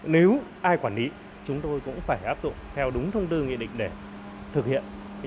nếu ai quản lý chúng tôi cũng phải áp dụng theo đúng thông tư nghị định để thực hiện